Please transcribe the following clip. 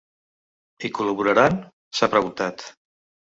Hi col·laboraran?, s’ha preguntat.